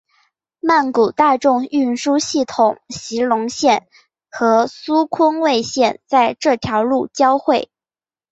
曼谷大众运输系统席隆线和苏坤蔚线在这条路交会。